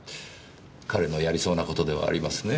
彼のやりそうな事ではありますねぇ。